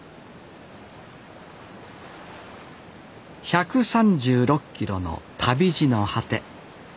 １３６キロの旅路の果て。